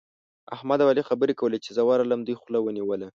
احمد او علي خبرې کولې؛ چې زه ورغلم، دوی خوله ونيوله.